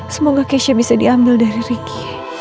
semoga keisha bisa diambil dari riki